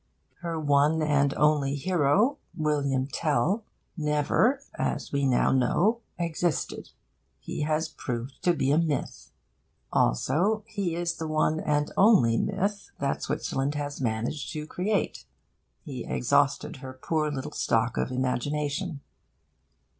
Her one and only hero William Tell never, as we now know, existed. He has been proved to be a myth. Also, he is the one and only myth that Switzerland has managed to create. He exhausted her poor little stock of imagination.